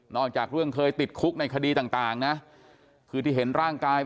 จากเรื่องเคยติดคุกในคดีต่างนะคือที่เห็นร่างกาย